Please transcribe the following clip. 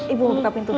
ibu mau buka pintu dulu